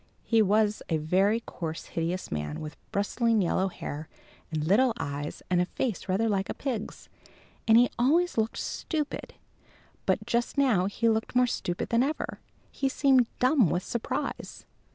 He was a very coarse, hideous man, with bristling yellow hair, and little eyes, and a face rather like a pig's, and he always looked stupid, but just now he looked more stupid than ever. He seemed dumb with surprise.